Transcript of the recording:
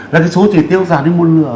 là cái số chỉ tiêu giảm đến một nửa